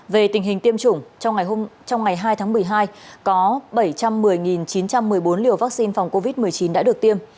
về tình hình tiêm chủng trong ngày hai tháng một mươi hai có bảy trăm một mươi chín trăm một mươi bốn liều vaccine phòng covid một mươi chín đã được tiêm